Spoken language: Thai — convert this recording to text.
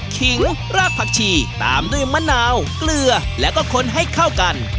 ขิงรากผักชีตามด้วยมะนาวเกลือแล้วก็คนให้เข้ากัน